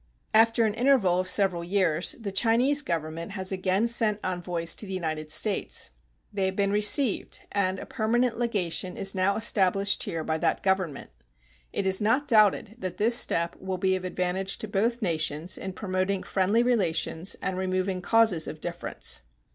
After an interval of several years the Chinese Government has again sent envoys to the United States. They have been received, and a permanent legation is now established here by that Government. It is not doubted that this step will be of advantage to both nations in promoting friendly relations and removing causes of difference.